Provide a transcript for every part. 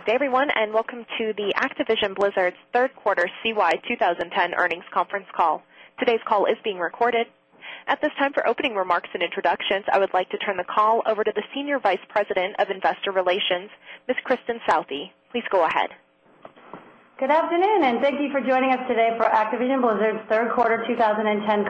Good day, everyone, and welcome to the Activision Blizzard's 3rd quartercy 2010 earnings conference call. Today's call is being recorded. At this time, for opening remarks and introductions, I would like to turn the call over to the Senior Vice President of Investor Relations, Ms. Kristin Southy, Please go ahead. Good afternoon and thank you for joining us today for Activision Blizzard's 3rd quarter 2010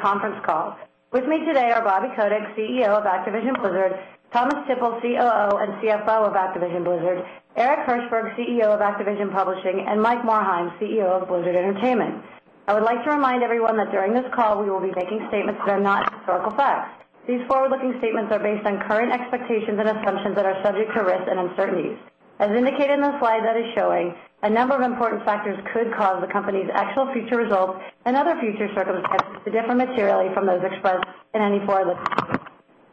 conference call. With me today are Bobby Kodick, CEO of Activision Blizzard, Thomas Tipple, COO and CFO of Activision Blizzard, Eric Hirsch CEO of Activision Publishing and Mike Morehaim, CEO of Blizzard Entertainment. I would like to remind everyone that during this call, we will be making statements that are not historical facts. These forward looking statements are based on current expectations and assumptions that are subject to risks and uncertainties. As indicated in the slide that is showing, A number of important factors could cause the company's actual future results and other future circumstances to differ materially from those expressed in any forward looking.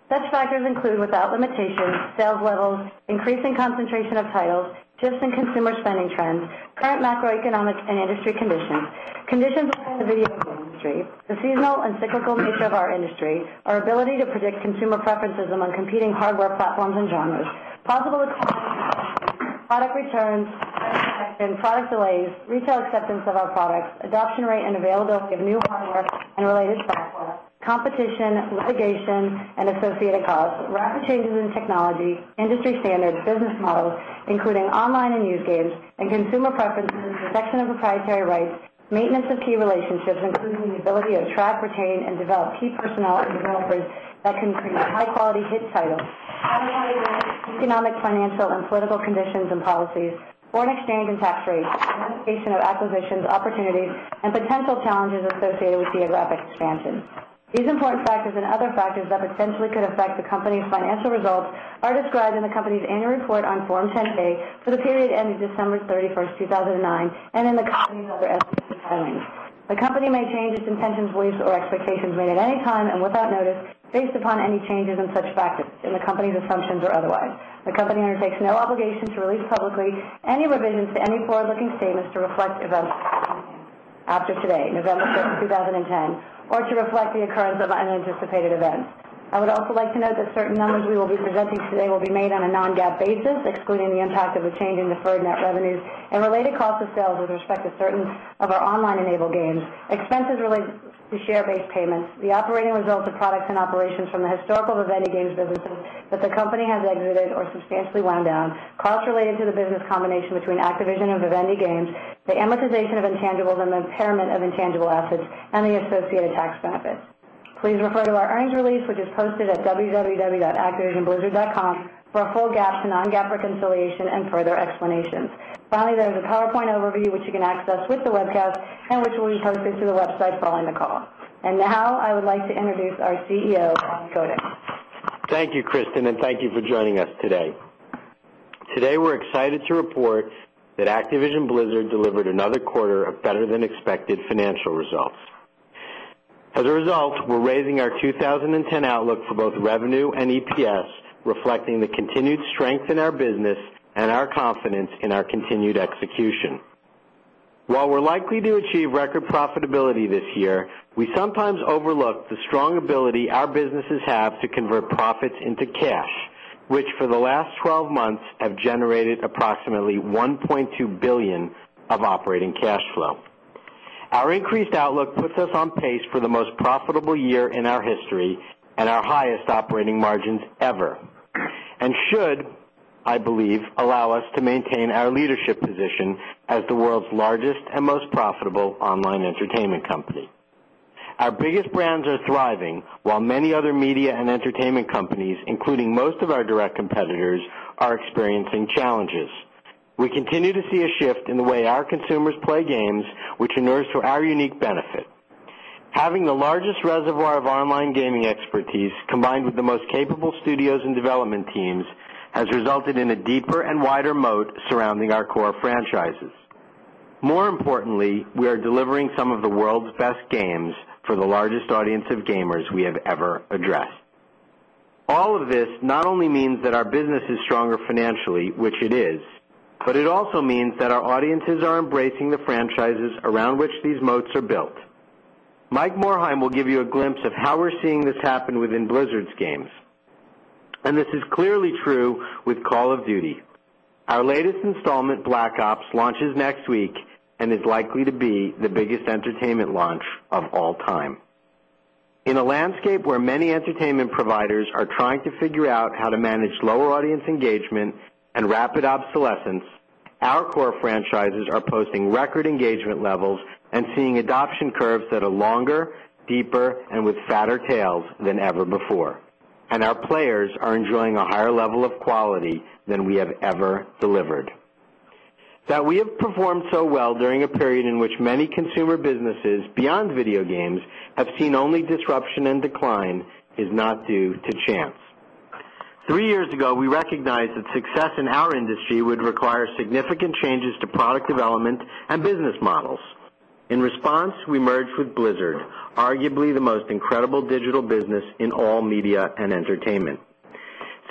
Such factors include, without limitation, sales levels, increasing concentration of titles, just in consumer spending trends, current macroeconomic and industry conditions, Conditions behind the video industry, the seasonal and cyclical nature of our industry, our ability to predict consumer preferences on competing hardware platforms and genres, possible across product returns, and product delays, retail acceptance of our products, adoption rate and availability of new hardware and related backlog. Competition, litigation and associated costs, rapid changes in technology, industry standards, business models, including online and use gains and consumer preferences, the section of proprietary rights, maintenance of key relationships, including the ability of track, retain, and develop key personnel and developers that can create high quality hit titles, economic financial and political conditions and policies, foreign exchange and tax rates, legislation of acquisitions, opportunities and potential challenges associated with geographic expansion. These important factors and other factors that potentially could affect the company's financial results described in the company's annual report on Form Ten K for the period ending December 31, 2009, and in the company's other filings. The company may change its intentions, beliefs or expectations made at any time. And without notice, based upon any changes in such factors in the company's assumptions or otherwise. Company undertakes no obligation to release publicly any revisions to any forward looking statements to reflect events after today, November 20 10, or to reflect the occurrence of unanticipated events. I would also like to note that certain numbers we will be presenting today will be made on a non GAAP basis, excluding the impact of a change in deferred net revenues and related cost of sales with respect to certain of our online enabled games, expenses related to share based payments, the operating results of products and operations from the historical Vivendi Games businesses that the company has exited or substantially wound down, costs related to the business combination between Activision and Vivendi gains, the amortization of intangibles and impairment of intangible assets and the associated tax benefits. Please refer to our earnings release, which is posted at www.activisionblizzard.com, for a full GAAP to non GAAP reconciliation and further explanation. Finally, there is a PowerPoint overview which you can access with the webcast and which will be posted to the website following the call. And now, I would like to introduce our CEO, Ron Kodak. Thank you, Kristin, and thank you for joining us today. Today, we're excited to report that Activision Blizzard delivered another quarter of better than expected financial results. As a result, we're raising our 2010 outlook for both revenue and EPS reflecting the continued strength in our business We sometimes overlook the strong ability our businesses have to convert profits into cash, which for the last 12 months have generated approximately $1,200,000,000 for the as the world's largest and most profitable online entertainment company. Our biggest brands are thriving while many other media and entertainment companies including most of our direct competitors are experiencing challenges. We continue see a shift in the way our consumers play games, which inures to our unique benefit. Having the largest reservoir of online gaming expertise combined with the most capable studios and development teams has resulted in a deeper and wider mode surrounding our core franchises. More importantly we are delivering some of the world's best games for the largest audience of gamers we have ever addressed. All of this not only means that our business is stronger financially, which it is, but it also means that our audiences are embracing the franchises around which these moats are built. Mike Moreheim will give you a glimpse of how we're seeing this happen within Blizzard's games. And this is clearly true with Call of Duty. Our latest installment Black Ops launches next week and is likely to be the biggest entertainment launch of all time. In a landscape where many entertainment providers are trying to figure out how to manage lower audience engagement and rapid obsolescence, Our core franchises are posting record engagement levels and seeing adoption curves that are longer, deeper and with fatter tails than ever before. And our behind video games prior significant changes to product development and business models. In response, we merged with Blizzard, arguably the most incredible digital business in all media entertainment.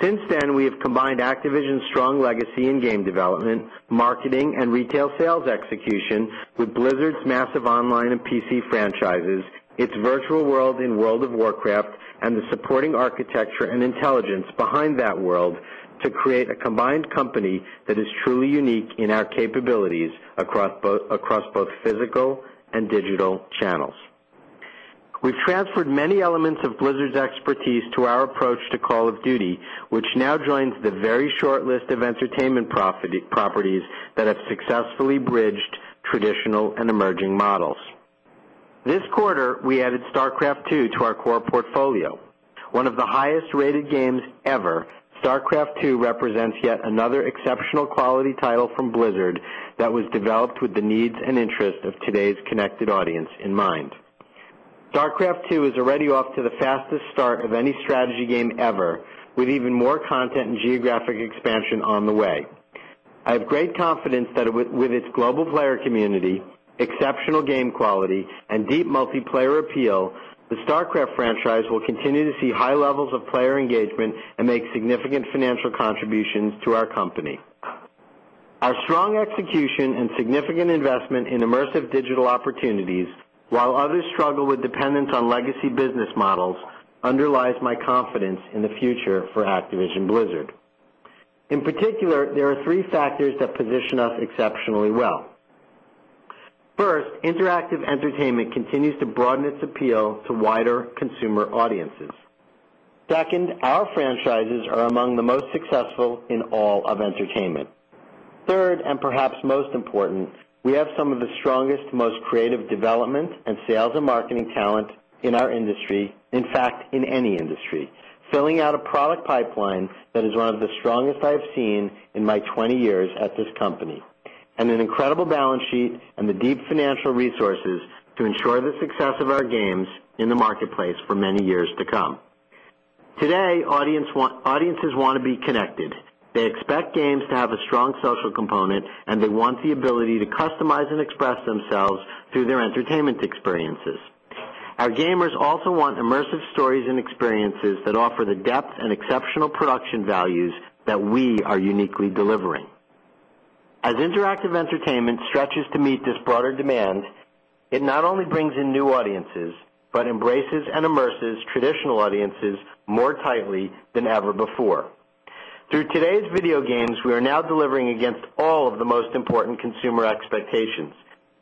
Since then, we have combined Activision's strong legacy and game development, marketing and retail sales execution with Blizzard's massive online and PC franchises, its virtual world in World of Warcraft and the supporting architecture and intelligence behind that world to create a combined company We've transferred many elements of Blizzard's expertise to our approach to Call of Duty, which now joins the very short list of entertainment properties that have successfully bridged traditional and emerging models. This quarter, we added StarCraft 2 to our core portfolio. 1 of the highest rated games ever, StarCraft 2 represents yet another exceptional quality title from Blizzard that was developed with the needs and interest of today's connected audience in mind. Darkraft II is already off to the fastest start of any strategy game ever with even more content and geographic expansion on the way. I have great confidence that with its global player community, exceptional game quality and deep multiplayer appeal, the Starcraft franchise will continue to see high levels of player engagement and make significant financial contributions to our company. Our strong execution and significant investment in immersive digital opportunities While others struggle with dependence on legacy business models, underlies my confidence in the future for Activision Blizzard. In particular, there are 3 factors that position us exceptionally well. 1st, interactive entertainment continues to broaden its appeal to wider consumer audiences. 2nd, our franchises are among the most successful in all of entertainment. 3rd, and perhaps most important We have some of filling out a product pipeline that is one of the strongest I've seen in my 20 years at this company and an incredible balance sheet and the deep financial resources ensure the success of our games in the marketplace They expect games to have a strong social component and they want the ability to customize and express themselves through their entertainment experiences. Our gamers also want immersive stories and experiences that offer the depth and exceptional production values that we are uniquely delivering As interactive entertainment stretches to meet this broader demand, it not only brings in new audiences, but embraces and immerses traditional audiences more tightly than ever before. Through today's video games we are now delivering against all of the most important consumer expectations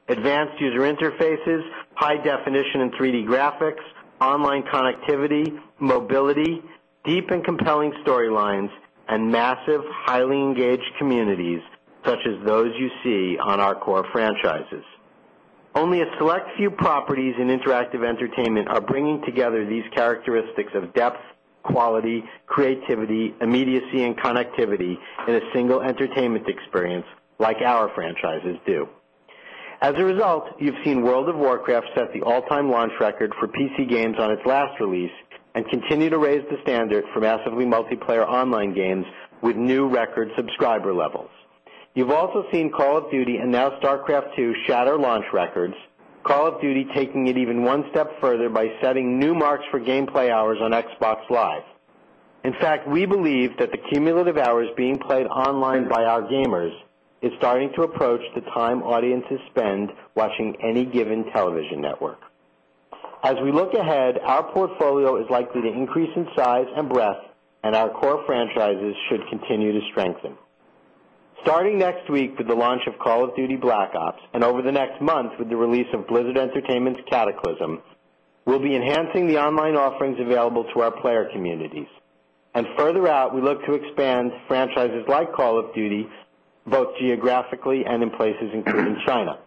advanced user interfaces, high definition and 3 d graphics, online connectivity, mobility, deep and compelling story lines, and massive highly engaged communities entertainment are bringing together these characteristics of depth, quality, creativity, immediacy and connectivity in a single entertainment experience like our franchises do. As a result, you've seen world of Warcraft the all time launch record for PC games on its last release and continue to raise the standard for massively multiplayer online games with new record subscriber levels. You've also seen Call of Duty and now StarCraft 2 Shatter launch records. Call of Duty taking it even one step further by setting new marks for gameplay hours on Xbox Live. In fact, we believe that the cumulative hours being played online by our gamers is starting to approach watching any given television network. As we look ahead, our portfolio is likely to increase in size and breadth and our core franchises should continue to strengthen. With the release of Blizzard Entertainment's Cataclysm, we'll be enhancing the online offerings available to our player communities. And further out, we look to expand franchises like Call of Duty, both geographically and in places including China.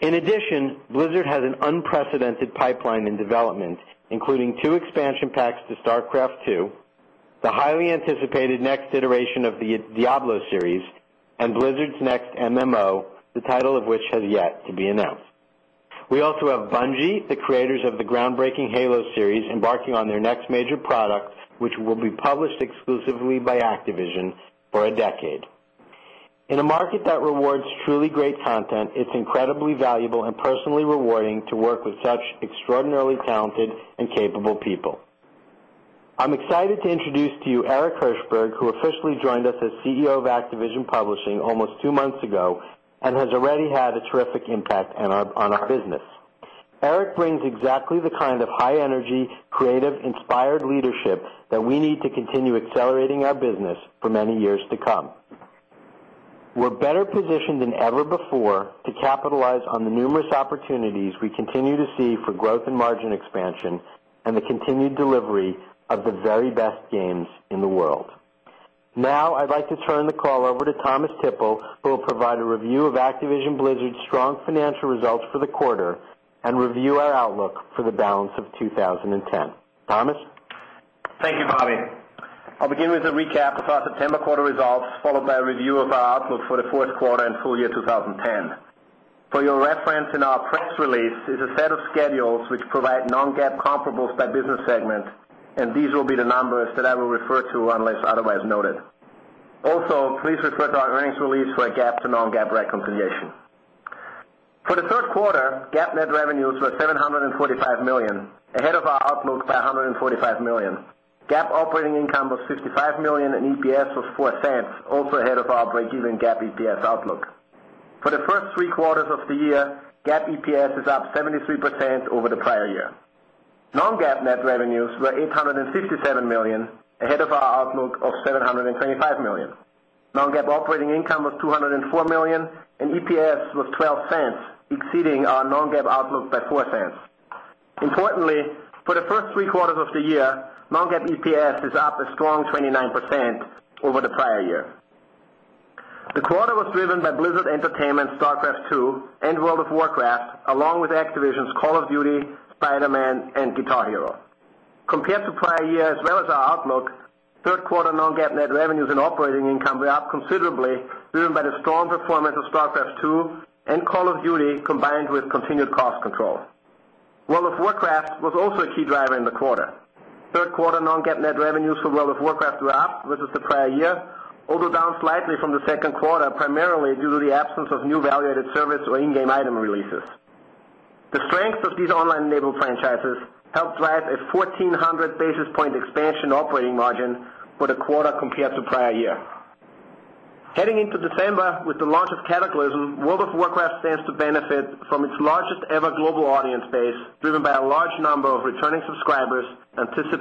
In addition, Blizzard has an unprecedented pipeline in development, including 2 expansion packs to Starcraft 2, the highly anticipated next iteration of the Diablo series and Blizzard's next MMO, the title of which has yet to be announced. We also have Bungie, the creators of the groundbreaking halo series, embarking on their next major products, which will be published exclusively by Activision, for a decade. In a market that rewards truly great content, it's incredibly valuable and personally rewarding to work with such extraordinarily talented and capable people. I'm excited to introduce to you, Eric Hirsberg, who officially joined us as CEO of Act Vision Publishing almost 2 months ago and has already had a terrific impact on our business. Eric brings exactly the kind of high energy creative inspired leadership that we need to continue accelerating our business for many years to come. We're better positioned than ever before to capitalize on the numerous opportunities we continue to see for growth and margin expansion and the continued delivery of the very best games in the world. Now I'd like to turn the call over to Thomas Tipple, who will provide a review of Activision Blizzard's strong financial results for the quarter and review our outlook for the balance of 20 followed by a review of our outlook for the fourth quarter full year 2010. For your reference in our press release is a set of schedules provide non GAAP comparables by business segment and these will be the numbers that I will refer to unless otherwise noted. All please refer to our earnings release for a GAAP to non GAAP reconciliation. For the third quarter, GAAP net revenues were 745,000,000 ahead of our outlook by $145,000,000. GAAP operating income was $55,000,000 and EPS was $0.04, also ahead of our breakeven GAAP EPS outlook. For the 1st 3 quarters of the year, GAAP EPS is up 73% over the prior year. Non GAAP net revenues were 857,000,000 ahead of our outlook of $725,000,000. Non GAAP operating income was $204,000,000 and EPS was $0.12 exceeding our non GAAP outlook by $0.04. Importantly, for the 1st 3 quarters of the year, non GAAP EPS is up a strong 29% over the prior year. The quarter was driven by Blizzard Entertainment Stockref 2 and World of Warcraft, along with Activision's Call of Duty by demand and guitar hero. Compared to prior year, as well as our outlook, 3rd quarter non GAAP net revenues and operating income were up considerably driven by the strong performance of Star Wars II and Call of Duty combined with continued cost control. Well, the forecast was also a key driver in the quarter. 3rd quarter non GAAP net revenues for global forecast were up versus the prior year, although down slightly from the 2nd quarter, primarily due to the of new value added service or in game item releases. The strength of these online enabled franchises helped drive a 1400 basis point expansion operating margin for the quarter compared to prior year. Heading into December with the largest categories, World of Warcraft seems to benefit from its largest ever global audience base driven by a large number of returning subscribers and digital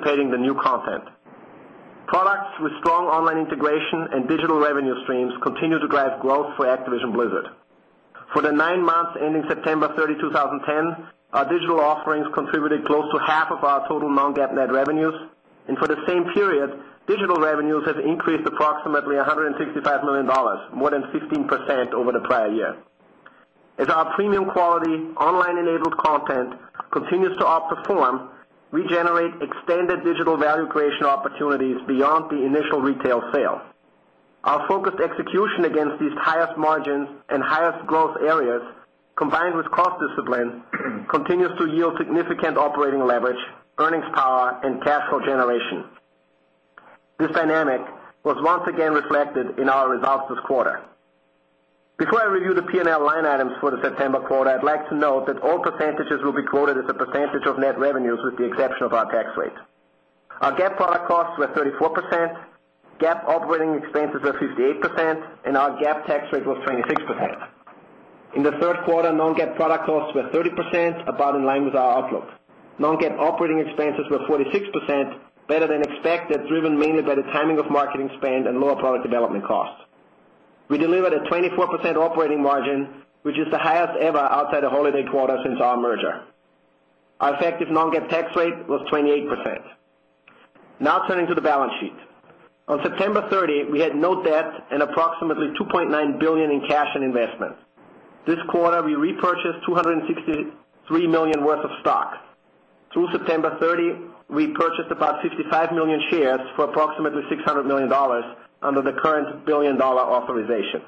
revenue streams continue to drive growth for Activision Blizzard. For the 9 months ending September 32,010, Our digital offerings contributed close to half of our total non GAAP net revenues. And for the same period, digital revenues have increased approximately more than 15% over the prior year. As our premium quality online enabled content continues to outperform, regenerate extended digital value creation opportunities beyond the initial retail sale. Our focused execution against these highest margins and highest growth areas combined with cost discipline continues to yield significant operating leverage, earnings power and cash flow generation. This dynamic was once again reflected in our results this quarter. Before I review the P and L line items for the September quarter at to note that all percentages will be quoted as a percentage of net revenues with the exception of our tax rate. Our GAAP product costs were 34%, GAAP operating expenses were 58% and our GAAP tax rate was 26%. In the 3rd quarter, non GAAP product costs were 30% about in line with our outlook. Non GAAP operating expenses were 46% better than expected, driven mainly by the timing of marketing spend and lower product development costs. We delivered a 24% operating margin, which is the highest ever outside the holiday quarters since our merger. Our effective non GAAP tax rate was 28%. Now turning to the balance sheet. On September 30, we had no debt and approximately $2,900,000,000 in cash and investments. This quarter, we repurchased 263,000,000 worth of stock. Through September 30, we purchased about 55,000,000 shares approximately $600,000,000 under the current $1,000,000,000 authorization.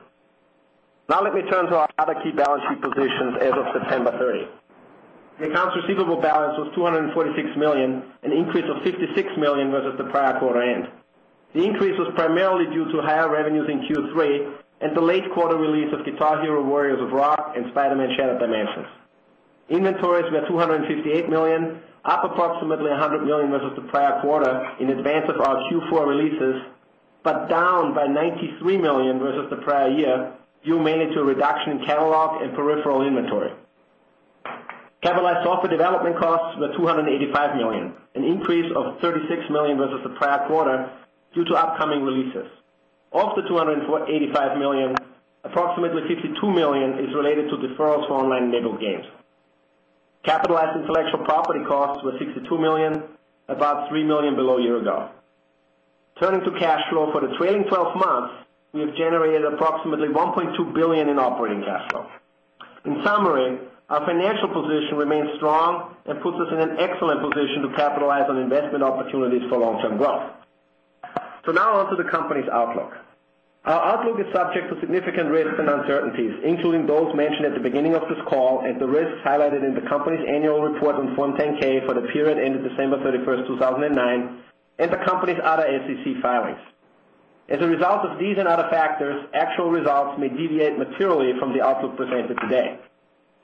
Now let me turn to our other key balance sheet positions as of September 30. The accounts receivable balance was $246,000,000, an increase of $56,000,000 versus the prior quarter end. The increase was primarily due to higher revenues in Q3 and the late quarter release of guitar hero warriors of rock and Spider Man channel dimensions. Inventories were $258,000,000, up approximately $100,000,000 versus the prior quarter in advance of our Q4 releases, but down by $93,000,000 versus the prior year due mainly to a reduction in catalog and peripheral inventory. Capitalized software development costs were $285,000,000, an increase of $36,000,000 versus the prior quarter due to upcoming releases. Of the $285,000,000, approximately $52,000,000 is related to deferrals for online games. Capitalized intellectual property costs were $62,000,000, about $3,000,000 below year ago. Turning to cash flow for the trailing 12 months, we have generated approximately $1,200,000,000 in operating cash flow. In summary, our financial position remains strong and puts us in an excellent position to capitalize on investment opportunities for long term growth. So now on to the company's outlook. Our outlook is subject to significant risks and uncertainties, including those mentioned at the beginning of this call and the risks highlighted in the annual report on Form Ten K for the period ended December 31, 2009, and the company's other SEC filings. As a result of these and other factors, actual results may deviate materially from the outlook presented today.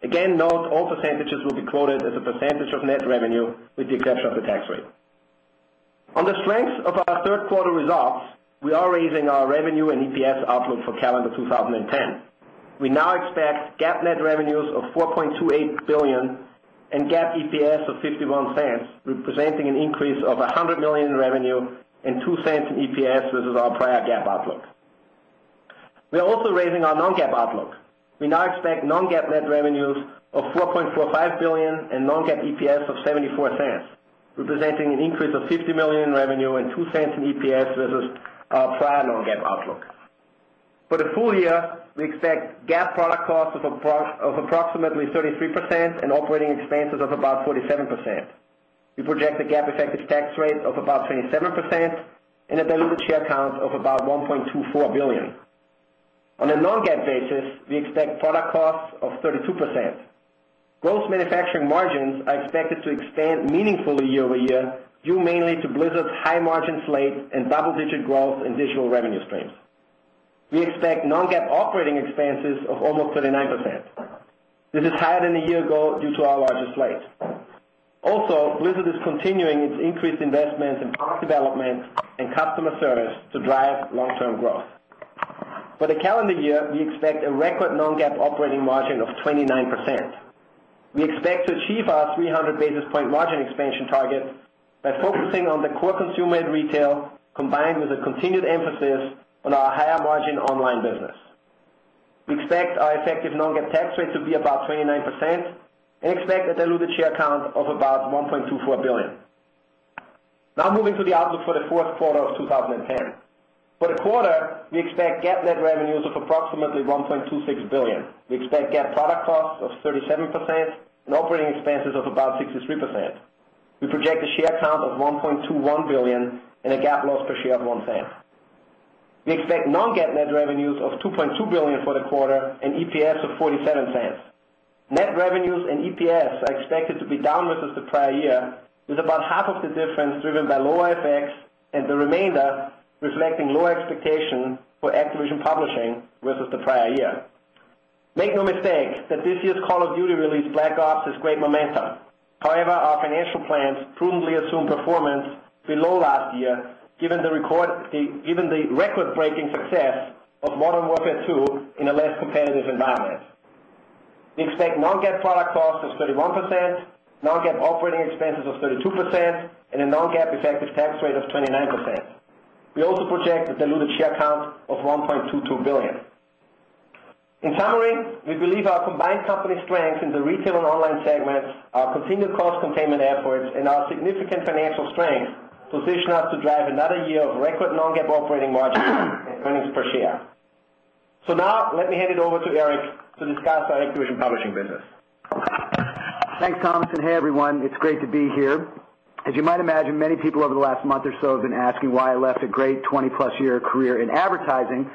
Again, note all percentages will be quoted as a percentage of net revenue with the exception of the tax rate. On the strength of our third quarter results, we are raising our revenue and EPS outlook for calendar 2010. We now expect GAAP net revenues of $4,280,000,000 and GAAP EPS of $0.51, representing an increase of $100,000,000 in revenue and $0.02 in EPS versus our prior GAAP outlook. We are also raising our non GAAP outlook. We now expect non GAAP net revenues of $4,450,000,000 and non GAAP EPS of $0.74, representing an increase of $50,000,000 revenue and $0.02 in EPS versus our prior non GAAP outlook. For the full year, we expect GAAP product cost of approximately 33% and operating expenses of about 47%. We project a GAAP effective tax rate of about 27 percent and a diluted share count of about 1,240,000,000. On a non GAAP basis, we expect product costs of 32%. Gross Manufacturing margins are expected to expand meaningfully year over year due mainly to blizzard's high margin slate and double digit growth in digital revenue streams. We expect non GAAP operating expenses of almost 39%. This is higher than a year ago due to our largest slate. Also, Blizzard is continuing its increased investments and product development and customer service to drive long term growth. For the calendar year, we expect a record non GAAP operating margin of 29%. We expect to achieve our 300 basis point margin expansion target by focusing on the core consumer and retail combined with a continued emphasis on our higher margin online business. We expect our effective non GAAP tax rate to be about 29% and expect a diluted share count of about 1,240,000,000. Now moving to the outlook for the fourth quarter of 2018. For the quarter, we expect GAAP net revenues of approximately 1,260,000,000 we expect GAAP product costs of 37 percent and operating expenses of about 63%. We project a share count of $1,210,000,000 a GAAP loss per share of $0.01. We expect non GAAP net revenues of $2,200,000,000 for the quarter and EPS of $0.47. Net revenues and EPS are expected to be down versus the prior year with about half of the difference driven by lower FX and the remainder reflecting lower expectation for Activision Publishing versus the prior year. Make no mistake that this year's Call of Duty release black ops great momentum. However, our financial plans prudently assume performance below last year given the record given the record breaking success of modern warfare 2 in the less competitive environment. We expect non GAAP product costs of 31%, non GAAP operating expenses of 32%, a non GAAP effective tax rate of 29 percent. We also project a diluted share count of 1,220,000,000. In summary, we believe our combined company strength in the retail and online segments, our continued cost containment efforts and our significant financial strength position us to drive another year of record non GAAP operating margins and earnings per share. So now let me hand it over to Eric to discuss our acquisition publishing business. Thanks, Thomas, and hey, everyone. It's great to be here. As you might imagine, many people over the last month or so have been asking why I left a great 20 plus year career in advertising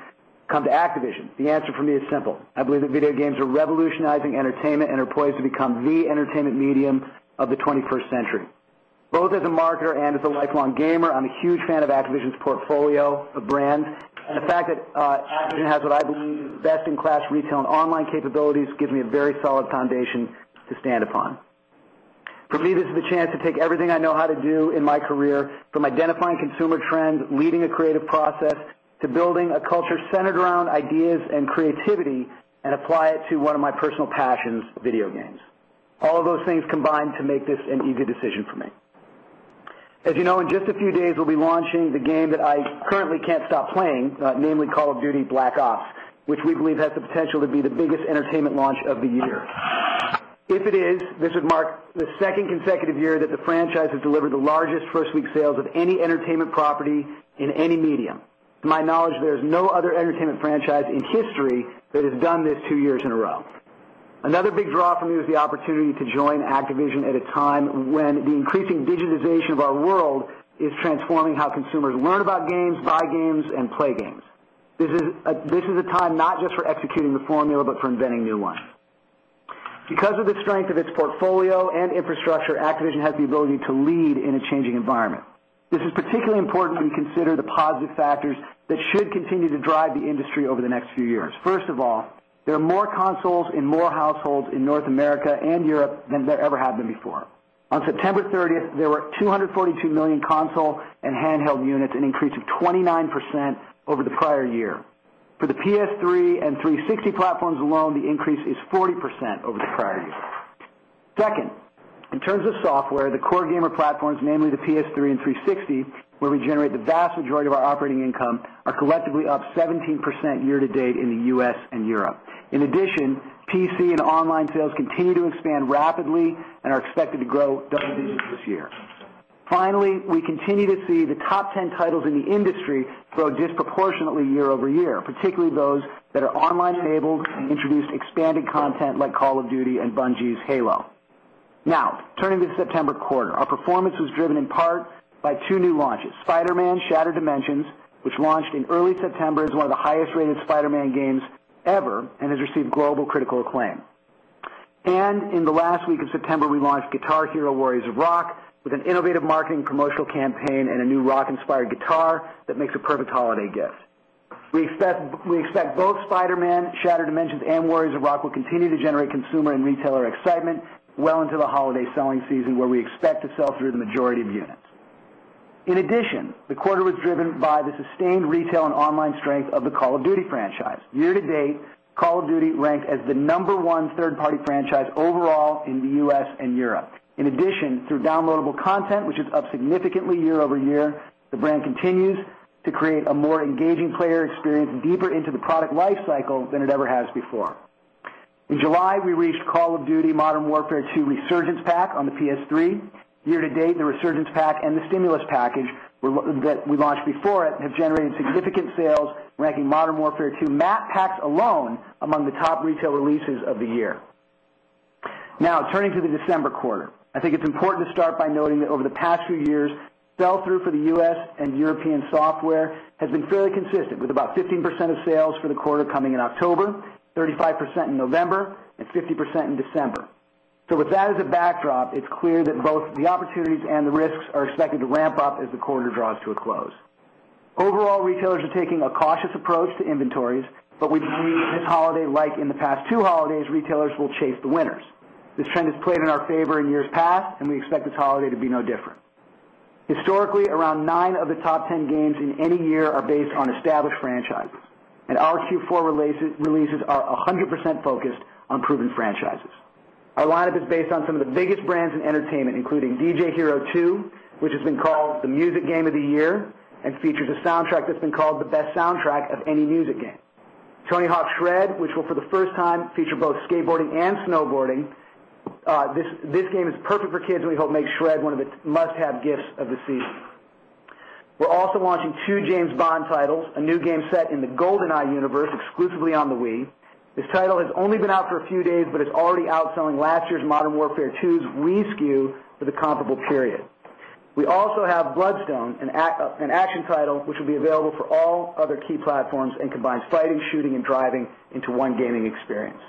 come to Activision. The answer for me is simple. I believe that video games are revolutionizing entertainment and are poised to become the entertainment medium of the 21st century. Both as a marketer and as a lifelong gamer, I'm a huge fan of Activision's portfolio, the brand. And the fact that Adrian has what I believe best in class retail and online capabilities, gives me a very solid foundation to stand upon. For me, this is the chance to take everything I know how to do in my career from identifying consumer trend, leading a creative process, to building a culture centered around ideas and creativity and apply it to one of my personal passions video games. All of those things combined to make this an easy decision for me. As you know, in just a few days, we'll be launching the game that I currently can't stop playing, namely Call of Duty Black Off. Which we believe has the potential to be the biggest entertainment launch of the year. If it is, this would mark the second consecutive year that the franchise has delivered the largest 1st week sales of any entertainment property in any medium. To my knowledge, there is no other entertainment franchise in history that has done this 2 years in a row. Another big draw from you is the opportunity to join Activision at a time when the increasing digitization of our world is transforming how consumers learn about games, buy games, and play games. This is a time not just for executing the formula, but for inventing new ones. Because of the strength of its portfolio and infrastructure, Activision has the ability to lead in a changing environment. This is particularly important to consider the positive factors that should continue to drive the industry over the next few years. First of all, there are more consoles in more households in North America and Europe than there ever had been before. On September 30, there were 242,000,000 console and handheld units, an increase of 29% over the prior year. For the PS3 and 360 platforms alone, the increase is 40% over the prior year. 2nd, in terms of where the core gamer platforms, namely the PS3 and 360, where we generate the vast majority of our operating income, are collectively up 17% year to date in the U. S. And Europe. In addition, PC and online sales continue to expand rapidly and are expected to grow double digits this year. Finally, we continue to see the top 10 titles in the industry grow disproportionately year over year, particularly those that are online enabled and introduced expanded content like of Duty and Bungie's halo. Now turning to the September quarter, our performance was driven in part by 2 new launches: Spider Man shattered dimensions which launched in early September as one of the highest rated Spider Man games ever and has received global critical acclaim. And in the last week of September, we launched guitar hero Warriors of Rock with an innovative marketing promotional campaign and a new rock inspired guitar that makes a perfect holiday gift. We expect both Spider Man, Shadow dimensions and Warriors of Rock will continue to generate consumer and retailer excitement well into the holiday selling season where we to sell through the majority of units. In addition, the quarter was driven by the sustained retail and online strength of the Call of Duty franchise, year to date, Call of Duty ranked as the number 1 third party franchise overall in the U. S. And Europe. In addition, through downloadable content, which is up significantly year over year, The brand continues to create a more engaging player experience deeper into the product lifecycle than it ever has before. In July, we reached Call of Duty Modern Warfare 2 resurgence pack on the PS3, year to date, the resurgence pack and the stimulus package, that we launched before it have generated significant sales, ranking modern warfare 2 map packs alone among the top retail releases of the year. Now turning to the December quarter. I think it's important to start by noting that over the past few years, sell through for the U. S. And European software has been fairly consistent with about 15% of sales for the quarter coming in October, 35% in November and 50% in December. So with that as a backdrop, it's clear that both the opportunities and the risks are expected to ramp up as the quarter draws to a close. Overall, retailers are taking a cautious approach to inventories, but we believe this holiday, like in the past 2 holidays retailers will chase the winners. This trend is played in our favor in years past, and we expect the holiday to be no different. Historically, around 9 of the top 10 games in any year are based on established franchises. And our Q4 releases are 100 percent focused on proven franchises. Our lineup is based on some of the biggest brands in entertainment, including DJ Hero Two, which has been called the music game of the year and features a soundtrack that's been called the best soundtrack of any music game. Tony Hawk Shred, which will the first time feature both skateboarding and snowboarding. This game is perfect for kids and we hope make Shred one of its must have gifts of the season. We're also launching 2 James Bond titles, a new game set in the Golden I universe exclusively on the Wii. This title has only been out for a few days, but it's already outselling last year's modern warfare choose Reskew for the comparable period. We also have Bloodstone, an action title, which will be available for all other key platforms and combines fighting, shooting and driving into one gaming experience.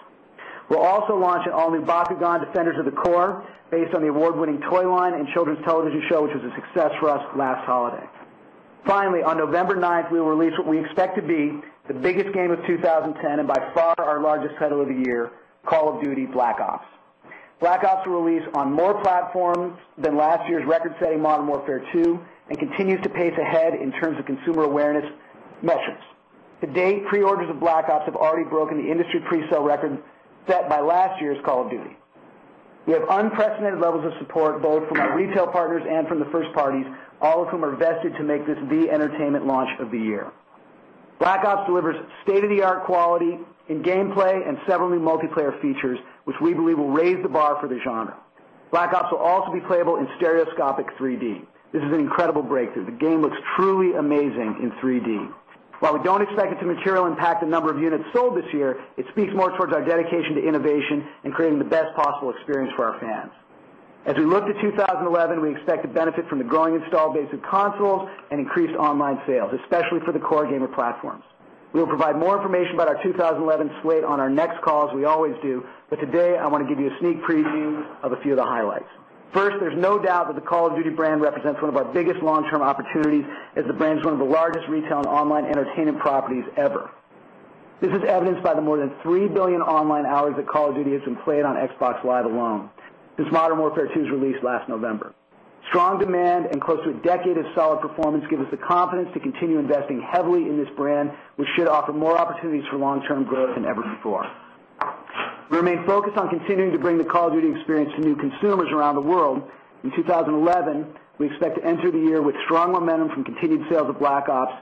We'll also launch an all new Bakugan defenders of the core based on the award winning toy line and children's television show, which was a success for us last holiday. Finally, on November 9th, we released what we expect to be the biggest game of 2010. And by far, our largest title of the year, Call of Duty, Black Ops. Black Ops will release on more platform than last year's record setting modern warfare 2 and continues to pace ahead in terms of consumer awareness, metrics. Today, preorders of Black Ops have already broken industry pre sell record set by last year's Call of Duty. We have unprecedented levels of support both from our retail partners and from the first party's all of whom are vested to make this the entertainment launch of the year. Black Ops delivers state of the art quality in game play and several new multiplayer features which we believe will raise the bar for the genre. Black Ops will also be playable in stereoscopic 3 d. This is an incredible breakthrough. The game looks truly amazing in 3 d. While we don't expect it to materially impact the number of units sold this year, it speaks more towards our dedication to innovation and creating the best possible experience for our fans. We look to 2011, we expect to benefit from the growing installed base of console and increased online sales, especially for the core gamer platforms. Will provide more information about our 2011 slate on our next call as we always do. But today, I want to give you a sneak preview of a few of the highlights. First, there's no doubt that the Call of Duty Brand represents one of our biggest long term opportunities as the brand is one of the largest retail and online entertainment properties ever. This is evidenced by the more than 3,000,000,000 online hours that Call of Duty has been played on Xbox Live alone. This modern Warfare II released last November. Strong demand and close to a decade of solid performance give us the confidence to continue investing heavily in this brand, which should offer more opportunities for long term growth than ever before. We remain focused on continuing to bring the Call of Duty experience to new consumers around the world. In 2011, enter the year with strong momentum from continued sales of Black Ops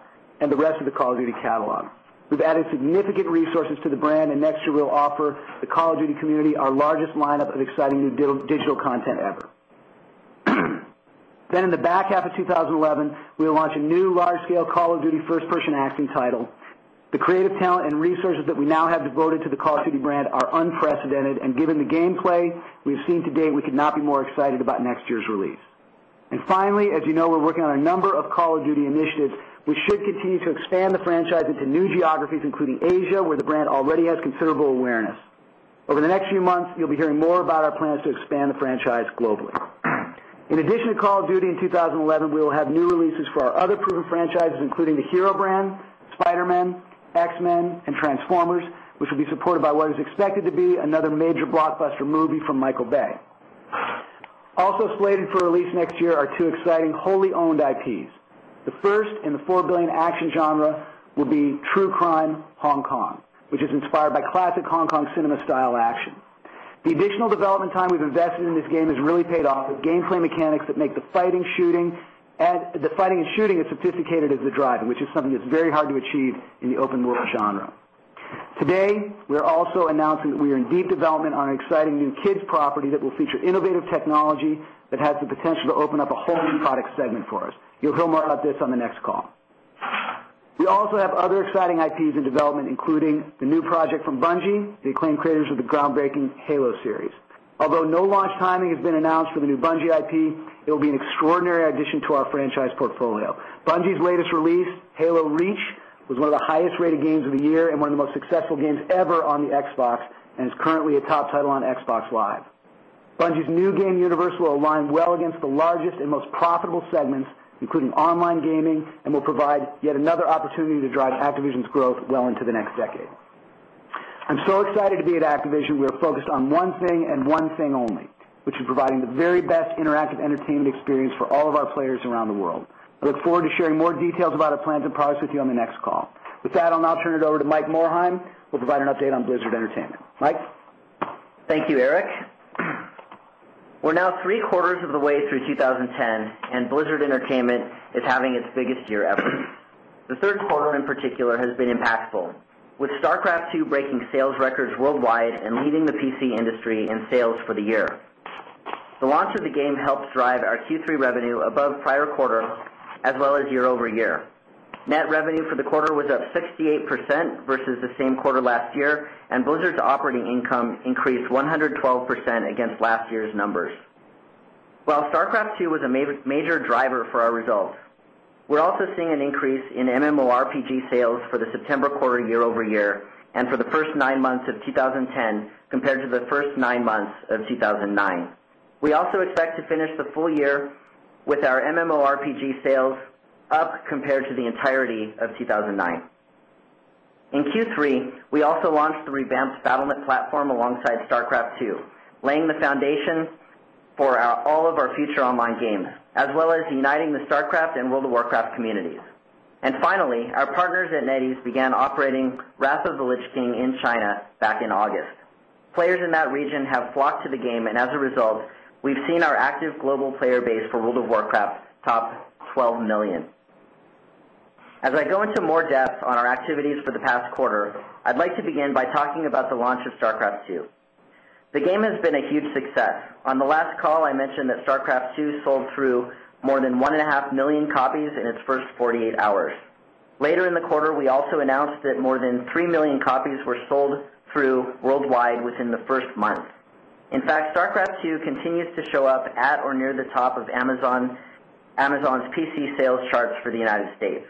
and the rest of the Call of Duty catalog. We've added significant resources to the brand and next year we'll offer the College of the community, our largest lineup of exciting new digital content ever. Then in the back half of twenty eleven, We will launch a new large scale Call of Duty first person acting title. The creative talent and resources that we now have devoted to the Call of Duty brand are unprecedented and given the game play, we've seen today, we could not be more excited about next year's release. And finally, as you know, we're working on a number of Call of Duty initiatives. We should get to expand the franchise into new geographies, including Asia, where the brand already has considerable awareness. Over the next few months, you'll be hearing more about our plans to expand the franchise globally. In addition to Call of Duty in 2011, we will have new releases for our other proven franchises, including the HERO brand, Spidermen, X Men, and Transformers, will be supported by what is expected to be another major blockbuster movie from Michael Bay. Also slated for a lease next year are 2 exciting wholly owned IPs. The first in the 4,000,000,000 action genre will be True Crime Hong Kong, which is inspired by classic Hong Kong cinema style action. The additional development time we've invested in this game has really paid off of gameplay mechanics that make the fighting shooting and the fighting and shooting is sophisticated as the drive something that's very hard to achieve in the open world genre. Today, we are also announcing that we are in deep development on an exciting new kids property that will feature innovative technology that has the potential to open up a whole new product segment for us. You'll hear more about this on the next call. We also have other exciting IPs in development, including the new project from Bungie, the acclaimed creators of the groundbreaking halo series. Although no launch timing has been announced for the new Bungie IP, It'll be an extraordinary addition to our franchise portfolio. Bungie's latest release, halo reach was one of the highest rated games of the year and one of the most successful games ever on the Xbox and is currently a top title on Xbox Live. Bungie's new game universe will align well against the largest and most profitable segments including online gaming and will provide yet another opportunity to drive activations growth well into the next decade. I'm so excited to be at Activision. We are on one thing and one thing only, which is providing the very best interactive entertainment experience for all of our players around the world. I look forward to sharing more details about a plan to progress with you on the next call. With that, I'll now turn it over to Mike Moreheim. We'll provide an update on Blizzard Entertainment. Mike? Thank you, Eric. We're now three quarters of the way through 2010 and Blizzard Entertainment is having its biggest year ever. The 3rd quarter in particular has been impactful. With StarCraft 2 breaking sales records worldwide and leading the PC industry in sales for the year. The launch of the game helps drive our Q3 revenue above prior quarter as well as year over year. Net revenue for operating income increased 112% against last year's numbers, while StarCraft II was a major driver for our results. We're also seeing an increase in MMORPG sales for the September quarter year over year and for the 1st 9 months of 2010, compared to the 1st 9 months of 2009. We also expect to finish the full year with up compared to the entirety of 2009. In Q3, we also launched the revamped Battlement platform alongside StarCraft 2, laying the foundation for all of our future online games, as well as uniting the starcraft and world of Warcraft communities. And finally, our partners at NetEase began operating wrath of the Lich King in China back in August. Players in that region have flocked to the game and as a result, We've seen our active global player base for World of Warcraft top $12,000,000. As I go into more depth on our activities for the past quarter, I'd like to begin by talking about the launch of StarCraft 2. The game has been a huge success. On the last call, I mentioned that StarCraft 2 sold through more than 1,500,000 copies in its first 48 hours. Later in the quarter, we also announced that more than 3,000,000 copies were sold through worldwide within the 1st month. In fact, StarCraft II continues to show up at or near the top of Amazon Amazon's PC sales charts for the United States.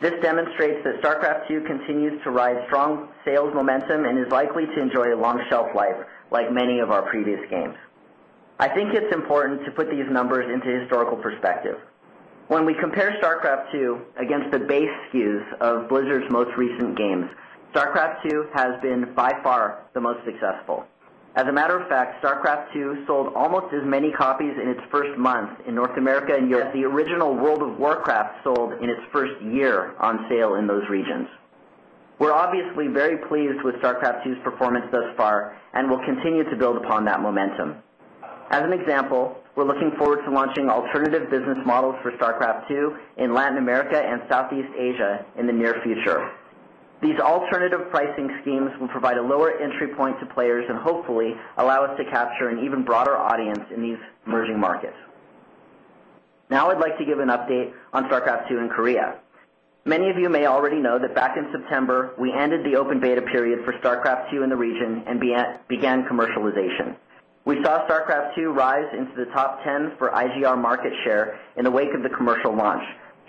This demonstrates that StarCraft 2 continues to ride strong sales momentum and is likely to enjoy a long shelf life, like many of our previous games. I think it's important to put these numbers into historical perspective. When we compare StarCraft 2, against the base skews of Blizzard's most recent games. StarCraft 2 has been by far the most successful. As a matter of fact, StarCraft II sold almost as many copies in its 1st month in North America and US the original world of Warcraft sold in its first year on sale in those regions. We're obviously very pleased with StarPath 2's performance thus far and we'll continue to build upon that momentum. As an example, we're looking forward to launching alternative business models for StarCraft 2 in Latin America and Southeast Asia in the near future. These alternative pricing schemes will provide a lower entry point to players and hopefully allow us to capture an even broader audience in these emerging markets. Now I'd like to give an update on StarCraft 2 in Korea. Many of you may already know that back in September, we ended the open beta period for StarCraft 2 in the region and began commercialization. We saw Starcraft 2 rise into the top 10 for IGR market share in the wake of the commercial launch,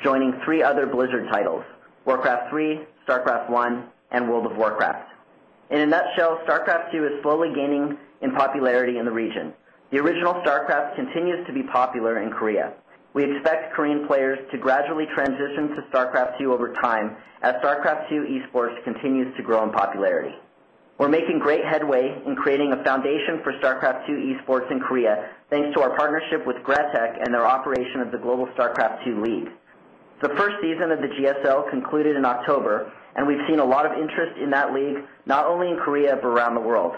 joining 3 other Blizzard titles: Warcraft 3, StarCraft 1 and World of Warcraft. In a nutshell, Starcraft 2 is slowly gaining in popularity in the region. Original StarCraft continues to be popular in Korea. We expect Korean players to gradually transition to StarCraft 2 over time as StarCraft II Esports continues to grow in popularity. We're making great headway in creating a foundation for StarCraft II Esports in Korea thanks to our partnership with Gratek and their operation of the Global StarCraft 2 league. The 1st season of the GSL concluded in October and we've seen a lot of interest in that league not only in Korea, but around the world.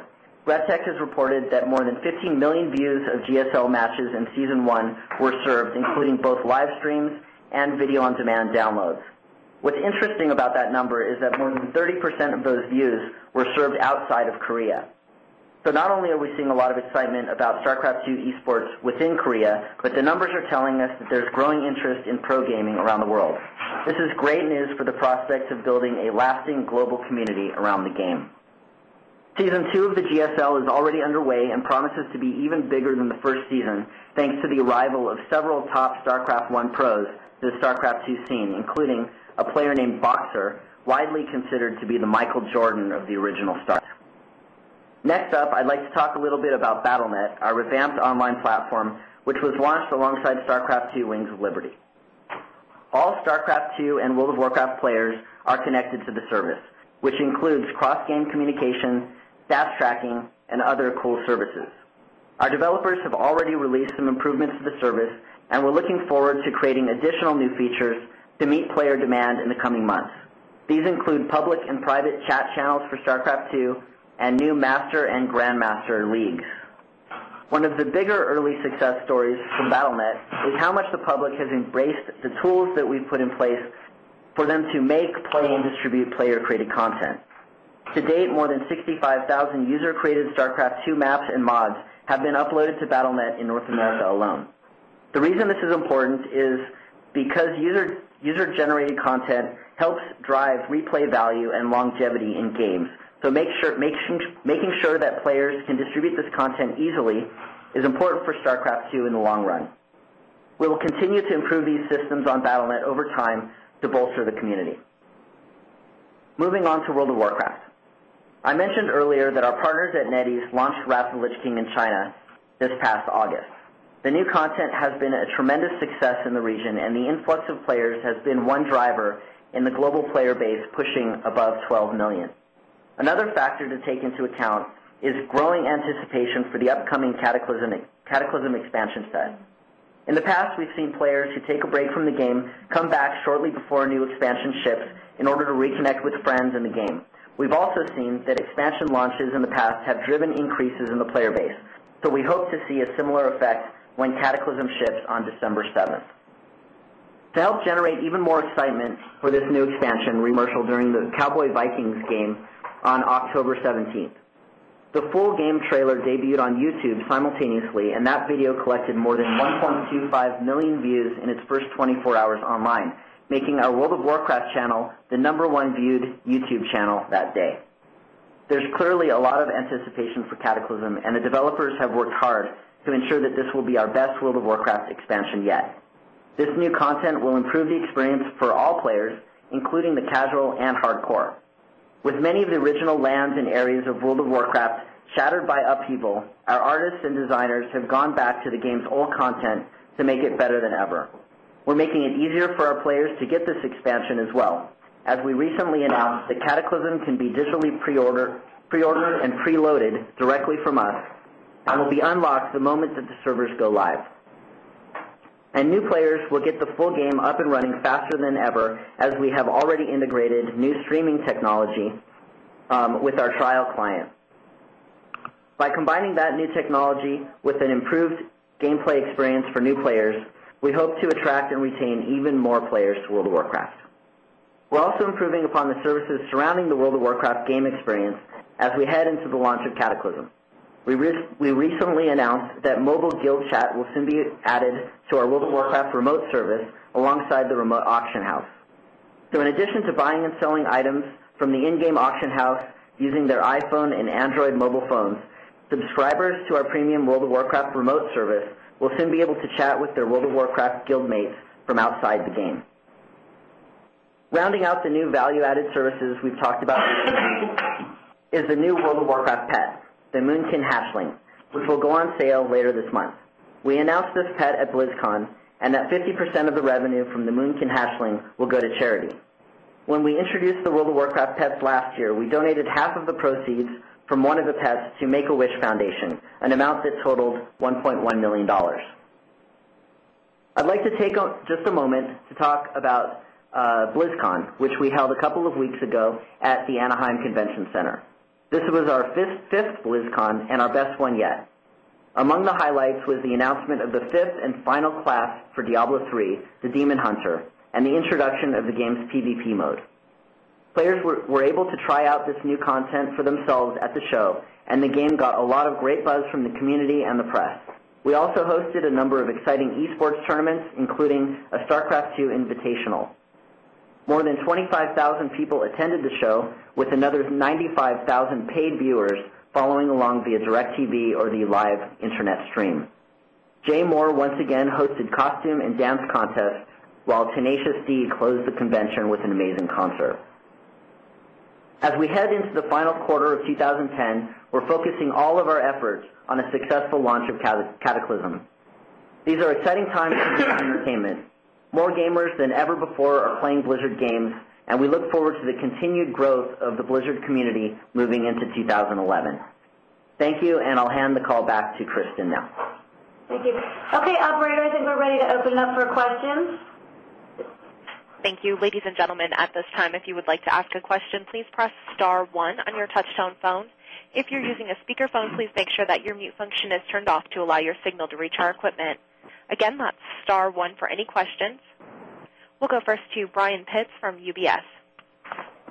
RedTech has reported that more than 15,000,000 views of GSL matches in season 1 were served including both live streams and video on demand downloads. What's interesting about that number is that more than 30% of those views were served outside of Korea. So not only are we seeing a lot of excitement about StarCraft 2 Esports within Korea, but the numbers are telling us that there's growing interest in pro gaming around the world. This is great news for the prospects of building a lasting global community around the game. Season 2 of the GSL is already underway and promises to be even bigger than the first season, thanks to the arrival of several top starcraft 1 Pros, the starcraft 2 scene, including a player named boxer widely considered to be the Michael Jordan of the original start. Next up, I'd like to talk a little bit about Battlenet, our revamped online platform which was launched alongside StarCraft II Wings Liberty. All StarCraft II and World of Warcraft players are connected to the service. Which includes cross game communication, fast tracking, and other cool services. Our developers have already released some improvements to the service and we're looking forward to creating additional new features to meet player demand in the coming months. These include public and private chat channels for StarCraft 2, and new Master and Grand Master League. 1 of the bigger early success stories from BattleMed is how much the public has embraced the tools that we've put in place for them to make play and distribute player created content. To date, more than 65,000 user created StarCraft 2 maps and mods have been uploaded to Battle Net in North America alone. The reason this is important is because user generated content helps drive replay value and longevity in games. So make sure making sure that players can distribute this content easily is important for StarCraft 2 in the long run. We will continue to improve these systems on BattleMed over time to bolster the community. Moving on to World of Warcraft. I mentioned earlier that our partners at NetEase launched Rapilage King in China this past August. The new content has been Another factor to take into account is growing anticipation for the upcoming cataclysm expansion study. In the past, we've seen players who take a break from the game come back shortly before new expansion shifts in order to reconnect with friends in the game. We've also seen that expansion launches in the past have driven increases in the player base, so we hope to see a similar effect when cataclysm shifts on December 7th. Sales generate even more excitement for this new expansion, commercial during the Cowboy Vikings game on October 17th. The full game trailer debuted on YouTube simultaneously and that video collected more than 1,250,000 views in its first twenty 4 hours online, making our World of Warcraft channel the number one viewed YouTube channel that day. There's clearly a lot of anticipation for cataclysm and the developers have worked hard to ensure that this will be our best world of Warcraft expansion yet. This new content will improve the experience for all players, including the casual and hardcore. With many of the original lands and areas of World of Warcraft shattered by upheaval, our artists and designers have gone back to the game's old content to make it better than ever. Making it easier for our players to get this expansion as well. As we recently announced, the cataclysm can be digitally pre ordered and preloaded directly from us. Will be unlocked the moments that the servers go live and new players will get the full game up and running faster than ever as we have already integrated new streaming technology with our trial client. By combining that new technology with an improved gameplay experience for new players, we hope to attract and retain even more players to World of Warcraft. We're also improving upon the services surrounding the World of Warcraft game experience as we head into the launch of cataclysm. We recently announced that mobile guilt chat will soon be added to our World of Warcraft remote service alongside the remote auction house. So in addition to buying and selling items from the in game auction house using their iPhone and Android mobile phones, Subscribers to our premium World of Warcraft remote service will soon be able to chat with their World of Warcraft Guildmates from outside the game. Rounding out the new value added services we've talked about is the new World of Warcraft Pet, the Moonton Hasling, which will go on sale later this month. We announced this pet at blizzcon and that 50% of the revenue from the Moonken Hashling will go to charity. When we introduced the World of Warcraft pets last year, we donated half of the proceeds from 1 of the pets to Make a Wish Foundation, an amount that totaled $1,100,000. I'd like to take just a moment to talk about, blizzcon, which we held a couple of weeks ago at the Anaheim Convention Center. This was our 5th 5th blizzcon and our best one yet. Among the highlights was the announcement of the 5th and final class for Diablo 3, the demon hunter and the introduction of the game's PVP mode. Players were able to try out this new content for themselves at the show and the game got a lot of great buzz from the community and the press. We also hosted a number of exciting esports tournaments, including a StarCraft 2 Invitational. More than 25,000 people attended the show with another 95,000 paid viewers following along via DirecTV or the live internet stream. Jay Moore once again hosted costume and dance contest, while tenacious C closed the convention with an amazing concert. As we head into the final quarter of 2010, we're focusing all of our efforts on a successful launch of cataclysm These are exciting times for entertainment, more gamers than ever before are playing Blizzard games, and we look forward to the continued growth of the Blizzard community moving into 2011. Thank you. And I'll hand the call back to Kristin now. Thank you. Okay, operator. I think we're ready to open up for questions. You. We'll go first to Brian Pitts from UBS.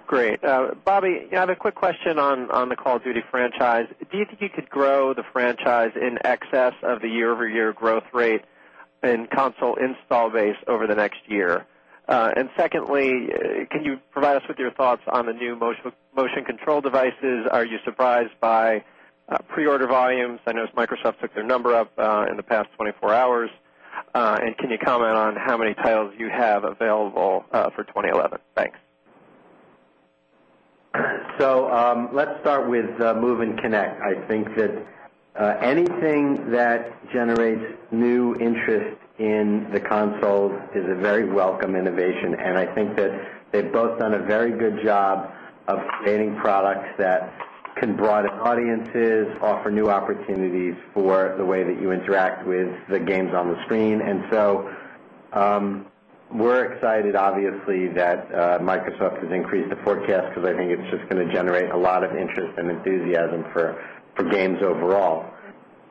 Great. Bobby, yeah, the quick question on the Call of Duty franchise. Do you think you could grow the franchise in excess of the year over year growth rate and console install base over the next year? And secondly, can you provide us with your thoughts on the new motion control devices? Are you surprised by pre order volumes. I know Microsoft took their number up in the past 24 hours. And can you comment on how many titles you have available for 2011? So, let's start with move and connect. I think that anything that generates new interest in the console is a very welcome innovation. And I think that they've both done a very good job of creating products that can broaden audiences offer new opportunities for the way that you interact with the games on the screen. And so We're excited obviously that Microsoft has increased the forecast because I think it's just going to generate a lot of interest and enthusiasm for for games overall.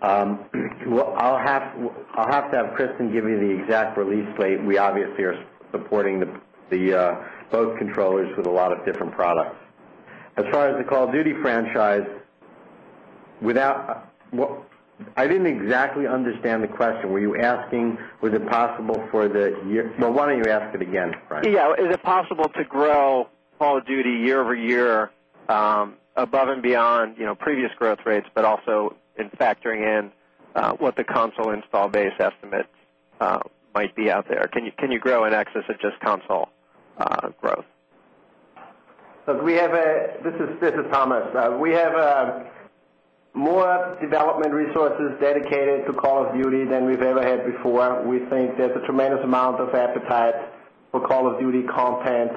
I'll have to have Kristen give you the exact release date. We obviously are supporting the the bode controllers with a lot of different products. As far as the Call of Duty franchise, without I didn't exactly understand the question. Were you asking, was it possible for the year? Why don't you ask it again, right? Yes. Is it possible to grow all due to year over year, above and beyond previous growth rates, but also in factoring in what the console install base estimates might be out there. Can you grow in excess of just console growth? This is Thomas. We have more development resources dedicated to Call of Duty than we've ever had before. We think that the tremendous amount of appetite for Call of Duty content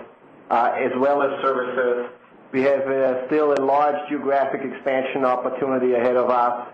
as well as services. We have still a large geographic expansion opportunity ahead of us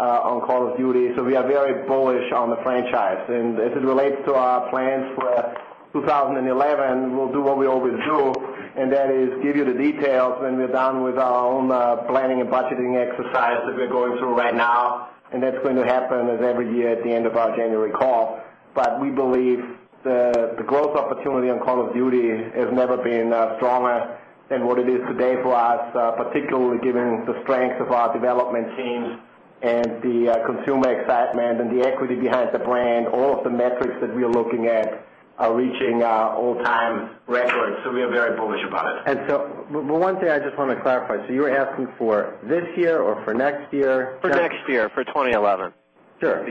on Call of Duty. So we are very bullish on the franchise. And as it relates to our plans for 2011, we'll do what we always do and that is give you the detail and we're done with our own planning and budgeting exercise that we're going through right now. And that's going to happen as every year at the end of our January call. But we believe the growth opportunity on Call of Duty has never been stronger than what it is today for us, particularly given strengths of our development teams and the consumer excitement and the equity behind the brand, all of the metrics that we're looking at reaching, all time records. So we are very bullish about it. And so one thing I just want to clarify, so you were asking for this year or for next year? For next year, for 2011. Sure.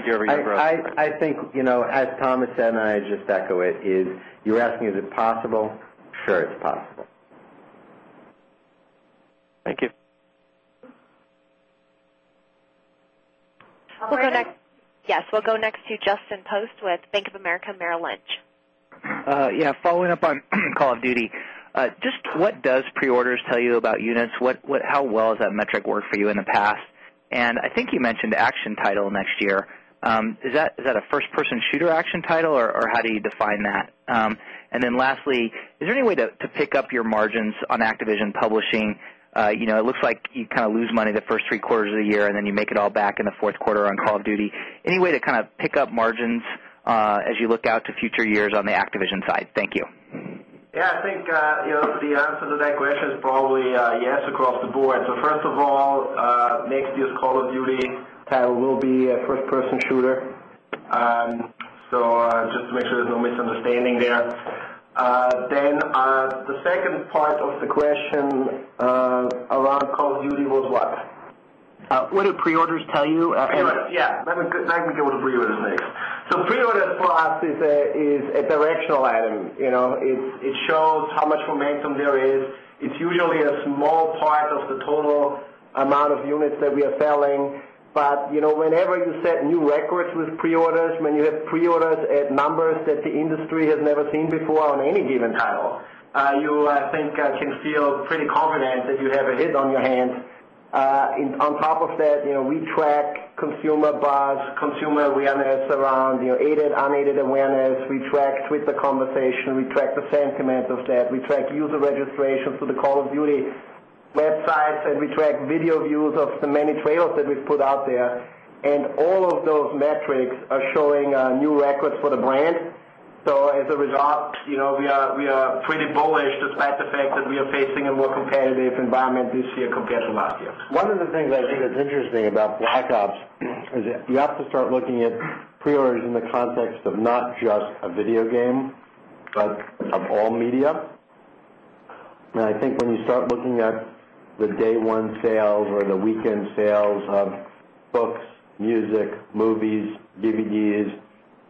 I think as Thomas said and I just echo it is you're asking is it possible? Sure it's possible. Thank you. Yes, we'll go next to Justin Post with Bank of America Merrill Lynch. Yes, following up on Call of Duty. Just what does preorders tell you about units? What how well is that metric work for you in the past? And I think you mentioned action title next year. Is that a first person shooter action title or how do you define that? And then lastly, is there any way to pick up your margins on Activision Publishing it looks like you kind of lose money the 1st 3 quarters of the year and then you make it all back in the fourth quarter on Call of Duty. Any way to kind of pick up margins as you look out to future years on the Activision side? Thank you. Yes. I think the answer to that question is probably, yes, off the board. So first of all, next year's Call of Duty title will be a first person shooter. So just to make sure there's no misunderstanding there. Then the second part of the question, around cost duty was what? What do preorders tell you? Yeah, let me get what the preorders make. So preorders for us is a directional item. It's It shows how much momentum there is. It's usually a small part of the total amount of units that we are selling But you know, whenever you set new records with preorders, when you have preorders at numbers that the industry has never seen before on any given title, you think can feel pretty confident that you have a hit on your hand. On top of that, we track consumer buzz, consumer awareness around, you know, aided unaided awareness, we tracked with the conversation, we tracked the same commands of that. We user registrations to the Call of Duty websites and we track video views of the many trails that we've put out there. And all of those metrics are showing a new record for the brand. So as a result, you know, we are pretty bullish that the fact that we are facing a more competitive environment this year compared to last year. One of the things I think is interesting about the hiccups is you have to start looking at preorders in the context of not just a video game of all media. And I think when you start looking at the day one sales or the weekend sales of books, music, movies, DVDs,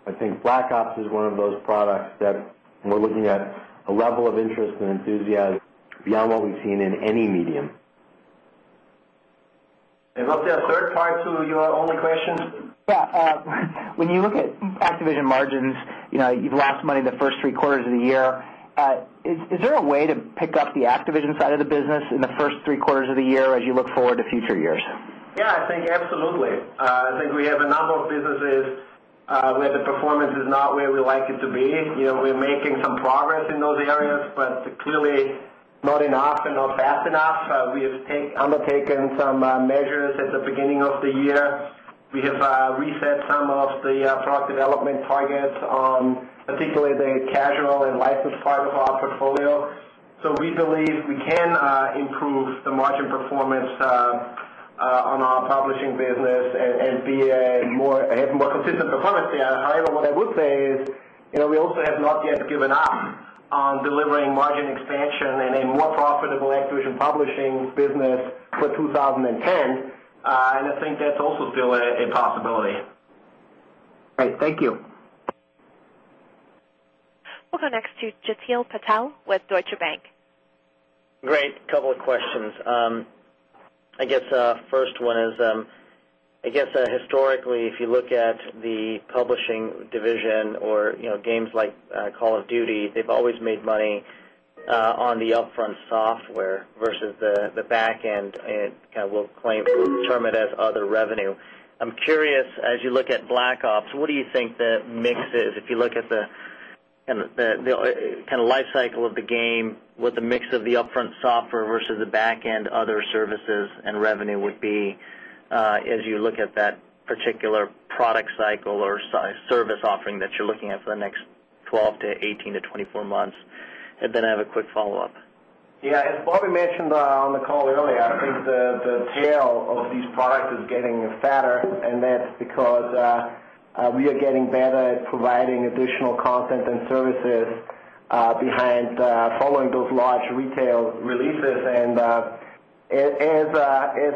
I think Black Ops is one of those products that We're looking at a level of interest and enthusiasm beyond what we've seen in any medium. Is that the 3rd part to your only question? Yeah. When you look at Activision margins, you've lost money in the 1st 3 quarters of the year. Is there a way to pick up the Activision side of the business in the 1st 3 quarters of the year as you look forward to future years? Yes, I think absolutely. I think we have a number of businesses where the performance is not where we like it to be. We're making some progress in those areas, but clearly, not enough and not fast enough. We have taken some measures at the beginning of the year. We have reset some of the product development targets, particularly the casual and licensed part of our portfolio. So we believe we can improve the margin performance on our publishing business and be a more consistent performance. Yeah. However, what I would say is, we also have not yet given up on delivering margin expansion in a more profitable Activision Publishing business for 2010, and I think that's also still a possibility. Great. Thank you. We'll go next to Chateel Patel with Deutsche Bank. Great. Couple of questions. I guess, first one is, I guess, historically, if you look at the publishing division or games like Call of Duty, they've always made money on the upfront software. Versus the back end and kind of will claim to term it as other revenue. I'm curious as you look at Black Ops, what do you think the mix is if you look at the kind of life cycle of the game, what the mix of the upfront software versus the back end other services and revenue would be as you look at that particular product cycle or service offering that you're looking at for the next 12 to 18 to 24 months, And then I have a quick follow-up. Yes. As Bobby mentioned on the call earlier, I think the tale of these products is getting fatter and that's because we are getting better at providing additional content and services behind following those large retail releases and as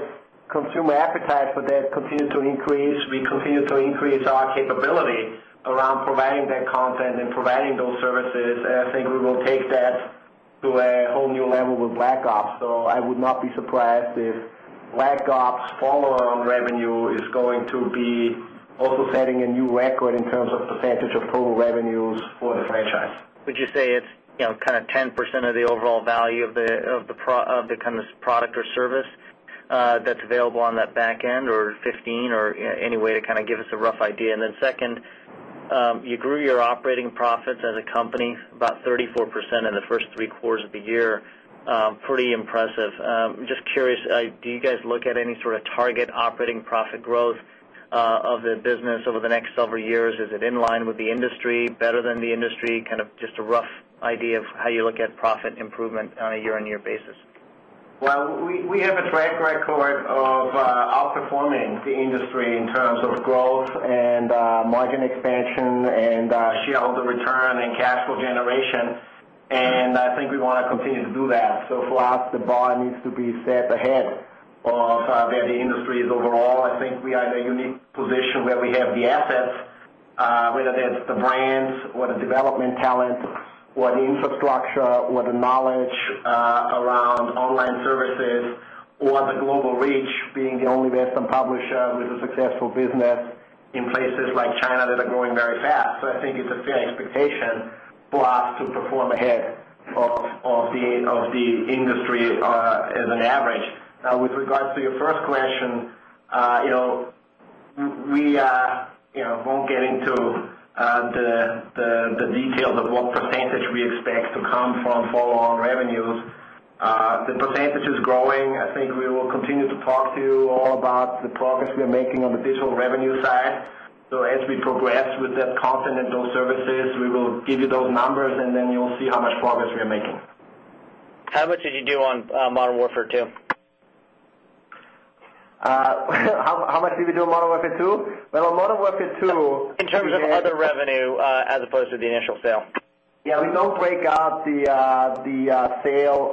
consumer appetite for that continue to increase, we continue to increase our capability around providing that content and providing those services, I think we will take that to a whole new level with Black Ops. So I would not be surprised if WAC ops, follow on revenue is going to be also setting a new record in terms of percentage of total revenues for the franchise. Would you say it's kind of 10% of the overall value of the of the Cummins product or service that's available on that back end or 2015 or any way to kind of give us idea. And then second, you grew your operating profits as a company about 34% in the 1st 3 quarters of the year. Pretty impressive. Just curious, do you guys look at any sort of target operating profit growth of the business over the next several years? Is it in line with the III better than the industry kind of just a rough idea of how you look at profit improvement on a year on year basis? Well, we have a track record forward of outperforming the industry in terms of growth and margin expansion and shareholder return and cash flow generation And I think we want to continue to do that. So for us, the bond needs to be set ahead of where the industry is overall. I think we are in a unique position where we have the assets, whether that's the brands, what a development talent, what infrastructure, what the knowledge, around online services or the global reach being the only best on publisher with a successful business. In places like China that are growing very fast. So I think it's a fair expectation for us to perform ahead of the the industry as an average. Now with regards to your first question, we won't get into the details of what percentage we expect to come from follow on revenues, the percentage is growing. I think we will continue to to or about the progress we're making on the digital revenue side. So as we progress with that content and those services, we will give you those numbers and then you'll see much progress we're making. How much did you do on model warfare too? How much did we do model weapon too? Well, a lot of work to do in terms of other revenue, as opposed to the initial sale. Yes, we don't break out the sale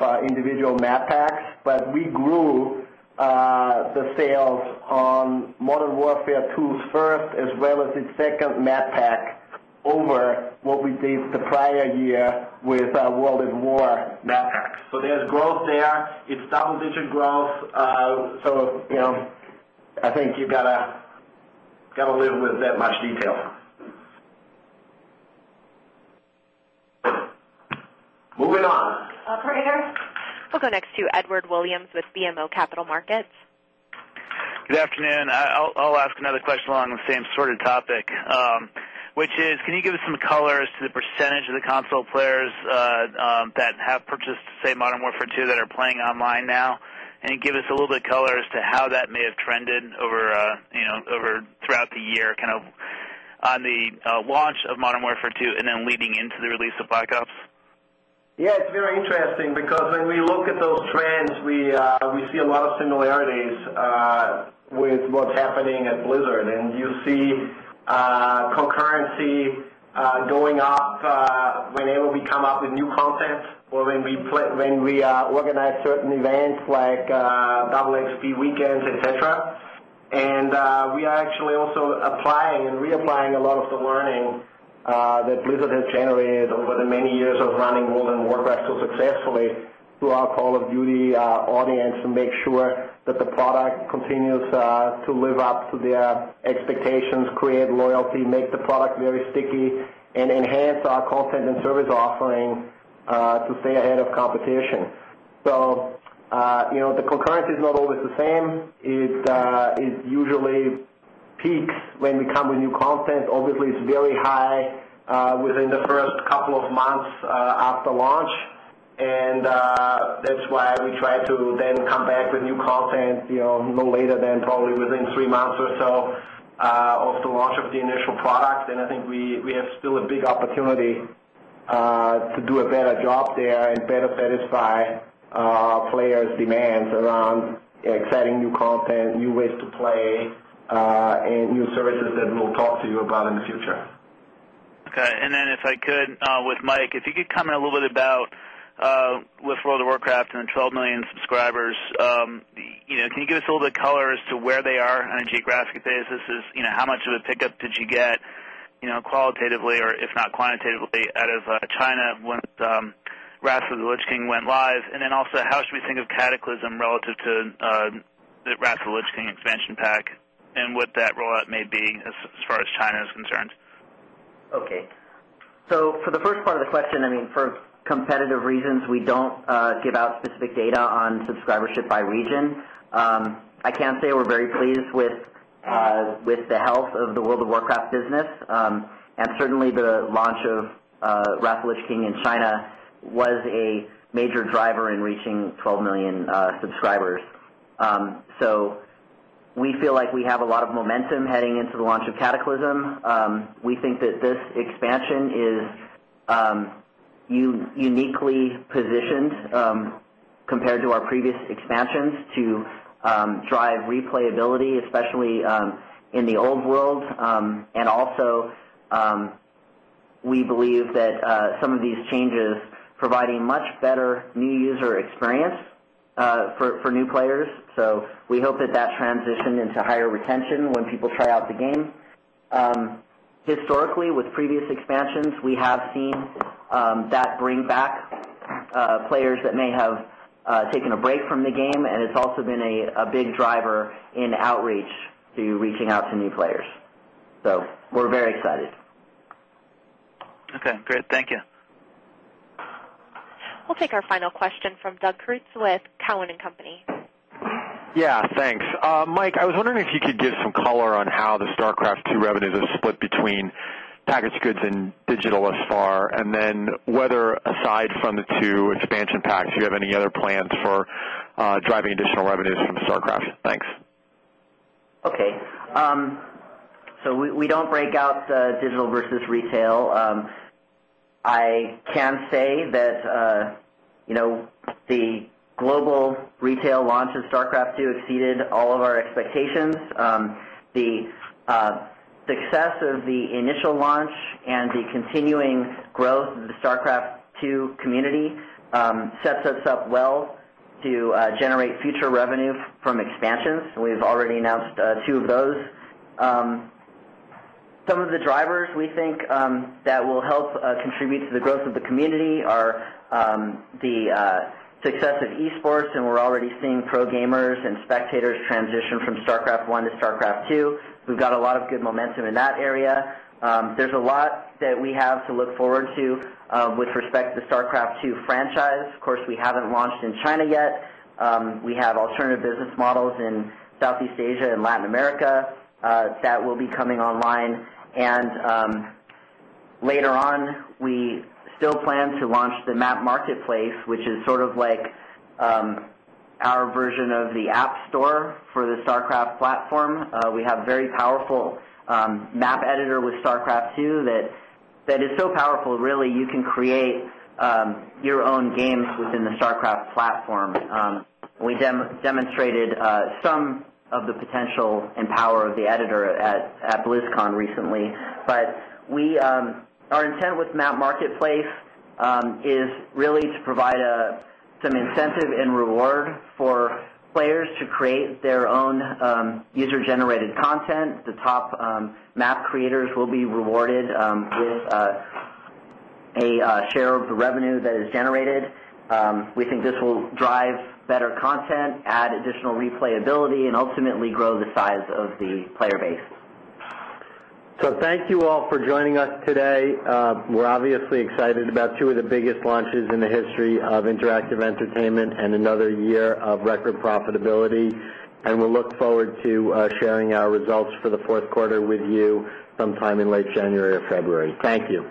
of individual map packs, but we grew, the sales on modern warfare tools first as well as its 2nd Map pack. Over what we did the prior year with World And War Network. So there's growth there. It's double digit growth. So I think you've got to live with that much detail. Moving on. Operator? We'll go next to Edward Williams with BMO Capital Markets. Good afternoon. I'll ask another question along the same sort of top which is can you give us some colors to the percentage of the console players that have purchased, say, modern warfare 2 that are playing online now? Give us a little bit of color as to how that may have trended over, over throughout the year kind of on the launch of modern warfare 2 and then leading into the release of backups? Yes, it's very interesting because when we look at those trends, we see a lot of similarities with what's happening at Blizzard. And you see, concurrency going up, whenever we come up with new content, or when we when we organize certain events like, double exp weekends, etcetera. And, we are actually also applying and reapplying a lot of the learning that Blizzard has generated over the many years of running more and more reps to successfully through our call of beauty audience and make sure that the product continues to live up to their expectations, create loyalty, make the product very sticky and enhance our content and service offering to stay ahead of competition. So The concurrent is not always the same. It's usually peaks when we come with new content. Obviously, it's very high within the 1st couple of months after launch. And, that's why we try to then come back with new content, you know, later than probably within 3 months or so, off the launch of the initial product. And I think we have still a big opportunity to do a better job there and better satisfy players' demands around exciting new content, new ways to play and new services that we'll talk to you about in the future. Okay. And then if I could, with Mike, if you could comment a little bit about with World of Warcraft and then 12,000,000 subscribers. Can you give us a little bit color as to where they are on a geographic basis? Is how much of a pickup did you get qualitatively or if not quantitatively out of China when wrath of the Lich King went live? And then also how should we think of cataclysm relative to RASOLIGITIGAN expansion pack and what that rollout may be as far as China is concerned. Okay. So for the first part of the question, I mean, for competitive reasons, we don't give out specific data on subscribership by region. I can't say we're very pleased with with the health of the World of Warcraft business. And certainly the launch of Ratlidge King in China was a major driver in reaching 12,000,000 subscribers. So we feel like we have a lot of momentum heading launch of Cataclysm, we think that this expansion is uniquely positioned compared to our previous expansions to drive replayability, especially in the old world and also We believe that some of these changes providing much better new user experience for new players So we hope that that transition into higher retention when people try out the game. Historically, with previous expansions, we have seen that bring back players that may have taken a break from the game and it's also been a big driver in outreach. To reaching out to new players. So we're very excited. We'll take our final question from Doug Creutz with Cowen and Company. Yeah, thanks. Mike, I was wondering if you could give some color on how the StarCraft 2 revenues are split between packaged goods and digital as far? And then whether aside from the 2 expansion packs, do you have any other plans for driving additional revenues from starcraft? Thanks. Okay. So we don't break out the digital versus retail. I can say that the global retail launch of StarCraft 2 exceeded all of our expectations. The success of the initial launch and the continuing growth of the StarCraft 2 community sets us up well to generate future revenue from expansions. We've already announced 2 of those. Some of the drivers we think that will help contribute to the growth of the community are successive esports and we're already seeing pro gamers and spectators transition from StarCraft 1 to Starcraft 2. We've got a lot of good momentum in that area. There's a lot that we have to look forward to, with respect to StarCraft 2 franchise. Of course, we haven't launched in China yet. We have alternative business models in Southeast Asia And Latin America that will be coming online and Later on we still plan to launch the map marketplace, which is sort of like our version of the App Store for the StarCraft platform. We have very powerful map editor with Starcraft 2 that that is so powerful, really, you can create, your own games within the StarCraft platform. We demonstrated some of the potential and power of the editor at blizzcon recently. But we, our intent with map marketplace is really to provide some incentive and reward for players to create their own user generated content, the top map creators will be rewarded with a share of the revenue that is generated We think this will drive better content, add additional replayability and ultimately grow the size of the player base. So, thank you all for joining us today. We're obviously excited about 2 of the biggest launches in the history of interact entertainment and another year of record profitability and we'll look forward to sharing our results for the fourth quarter with you sometime in late January or February. Thank you.